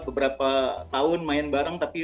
beberapa tahun main bareng tapi